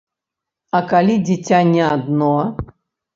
А калі дзіця не адно?